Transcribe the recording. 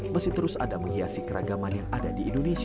masih terus ada menghiasi keragaman yang ada di indonesia